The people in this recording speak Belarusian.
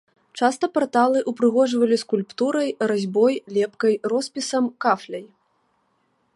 Часта парталы ўпрыгожвалі скульптурай, разьбой, лепкай, роспісам, кафляй.